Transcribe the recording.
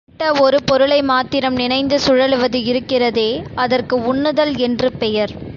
குறிப்பிட்ட ஒரு பொருளை மாத்திரம் நினைந்து சுழலுவது இருக்கிறதே அதற்கு உன்னுதல் என்று பெயர்.